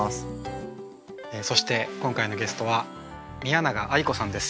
そして今回のゲストは宮永愛子さんです。